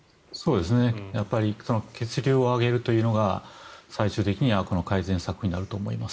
やっぱり血流を上げるというのが最終的には改善策になると思います。